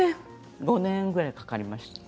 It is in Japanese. ５年くらいかかりました。